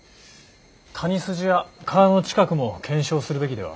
谷筋や川の近くも検証するべきでは？